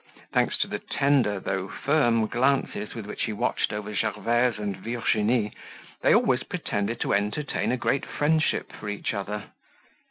Thanks to the tender though firm glances with which he watched over Gervaise and Virginie, they always pretended to entertain a great friendship for each other.